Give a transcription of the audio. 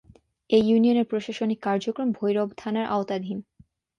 এ ইউনিয়নের প্রশাসনিক কার্যক্রম ভৈরব থানার আওতাধীন।